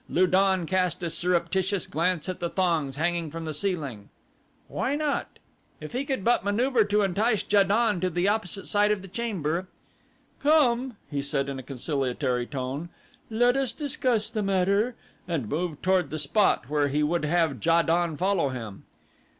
Lu don cast a surreptitious glance at the thongs hanging from the ceiling. Why not? If he could but maneuver to entice Ja don to the opposite side of the chamber! "Come," he said in a conciliatory tone, "let us discuss the matter," and moved toward the spot where he would have Ja don follow him.